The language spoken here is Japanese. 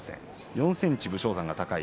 ４ｃｍ武将山が高い